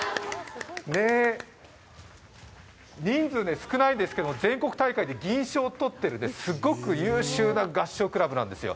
人数少ないんですけど全国大会で銀賞をとってるすごく優秀な合唱クラブなんですよ。